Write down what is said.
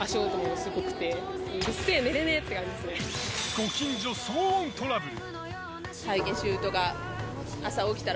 ご近所騒音トラブル。